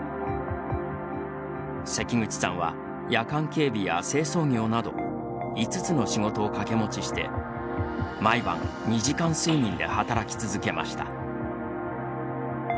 関口さんは夜間警備や清掃業など５つの仕事を掛け持ちして毎晩２時間睡眠で働き続けました。